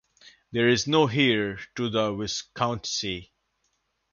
There is no heir to the viscountcy.